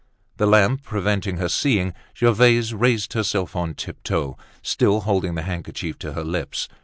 The lamp preventing her seeing, Gervaise raised herself on tiptoe, still holding the handkerchief to her lips.